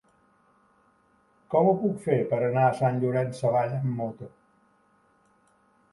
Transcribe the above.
Com ho puc fer per anar a Sant Llorenç Savall amb moto?